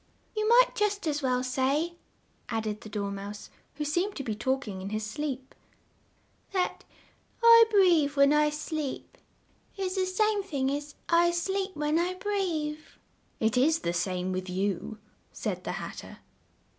"You might just as well say," added the Dor mouse, who seemed to be talk ing in his sleep, "that 'I breathe when I sleep' is the same thing as 'I sleep when I breathe'!" "It is the same with you," said the Hat ter.